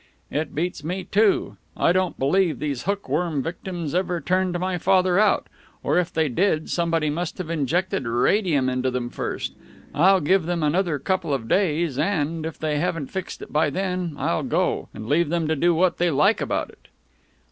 "It beats me, too. I don't believe these hook worm victims ever turned my father out. Or, if they did, somebody must have injected radium into them first. I'll give them another couple of days, and, if they haven't fixed it by then, I'll go, and leave them to do what they like about it."